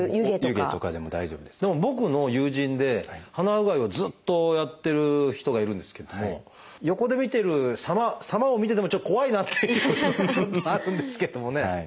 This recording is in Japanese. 僕の友人で鼻うがいをずっとやってる人がいるんですけれども横で見てるさまさまを見ててもちょっと怖いなっていうちょっとあるんですけどもね。